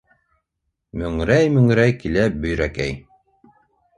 МӨҢРӘЙ-МӨҢРӘЙ КИЛӘ БӨЙРӘКӘЙ